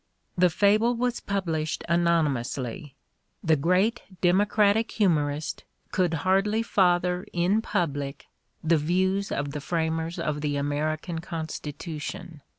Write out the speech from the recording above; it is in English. The fable was published anonymously: the great demo cratic humorist could hardly father in public the views of the framers of the American Constitution.